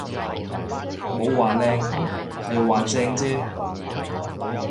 冇話靚，係話正啫